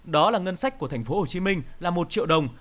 đó là ngân sách của thành phố hồ chí minh là một triệu đồng